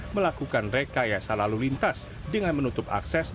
melakukan rekaya selalu lintas dengan menutup akses